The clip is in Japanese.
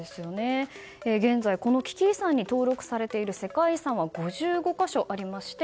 現在、この危機遺産に登録されている世界遺産は５５か所ありまして